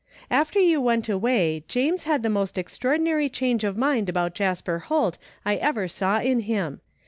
After you went away James had the most ex traordinary change of mind about Jasper Holt I ever saw in him.